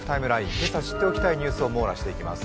今朝知っておきたいニュースを網羅していきます。